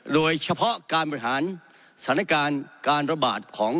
โดยเฉพาะการบริหารสถานการณ์การระบาดของ